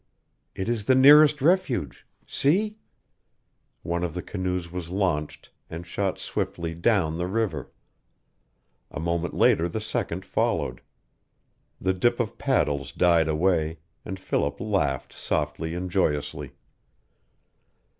"It is the nearest refuge. See " One of the canoes was launched, and shot swiftly down the river. A moment later the second followed. The dip of paddles died away, and Philip laughed softly and joyously.